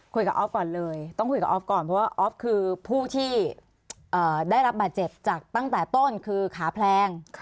ออฟก่อนเลยต้องคุยกับออฟก่อนเพราะว่าออฟคือผู้ที่ได้รับบาดเจ็บจากตั้งแต่ต้นคือขาแพลง